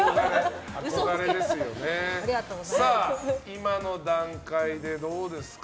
今の段階でどうですか？